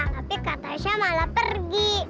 tapi kak tasya malah pergi